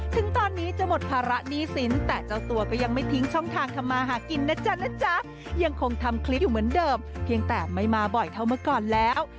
ถึงตอนนี้จะหมดภาระหนี้สินแต่เจ้าตัวก็ยังไม่ทิ้งช่องทางทำมาหากินนะจ๊ะนะจ๊ะยังคงทำคลิปอยู่เหมือนเดิมเพียงแต่ไม่มาบ่อยเท่าเมื่อก่อนแล้ว